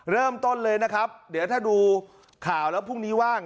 เริ่มต้นเลยนะครับเดี๋ยวถ้าดูข่าวแล้วพรุ่งนี้ว่าง